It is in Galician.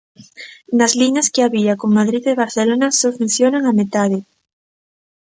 Das liñas que había con Madrid e Barcelona, só funcionan a metade.